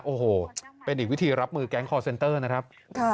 โอ้โหเป็นอีกวิธีรับมือแก๊งคอร์เซ็นเตอร์นะครับ